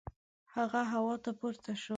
هغه هوا ته پورته شو.